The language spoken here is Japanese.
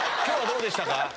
今日はどうでしたか？